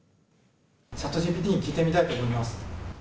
チャットＧＰＴに聞いてみたいと思います。